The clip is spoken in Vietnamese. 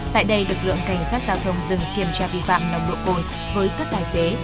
tại đây lực lượng cảnh sát giao thông dừng kiểm tra vi phạm nồng độ cồn với các tài xế